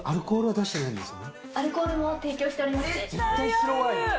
これ、アルコールも提供しておりま絶対合う。